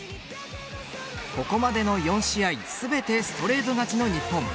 ここまでの４試合全てストレート勝ちの日本。